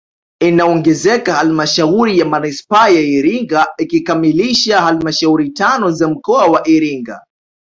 Inaongezeka halmashauri ya manispaa ya Iringa ikikamilisha halmashauri tano za mkoa wa Iringa